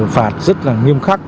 phạt rất nghiêm khắc